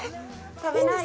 食べない？